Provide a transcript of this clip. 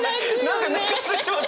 何か泣かせてしまった！